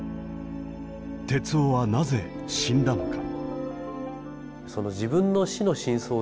徹生はなぜ死んだのか。